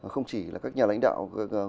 không chỉ là các nhà lãnh đạo